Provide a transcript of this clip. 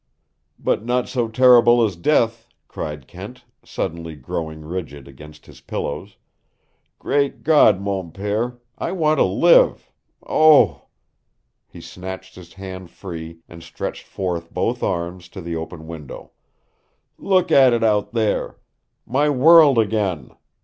"But not so terrible as death," cried Kent, suddenly growing rigid against his pillows. "Great God, mon pere, I want to live! Oh " He snatched his hand free and stretched forth both arms to the open window. "Look at it out there! My world again!